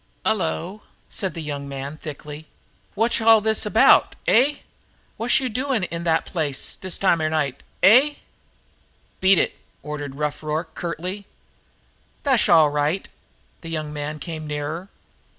"'Ullo!" said the young man thickly. "What'sh all this about eh? What'sh you two doing in that place this time of night eh?" "Beat it!" ordered Rough Rorke curtly. "That'sh all right." The young man came nearer.